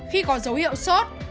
khi có dấu hiệu sốt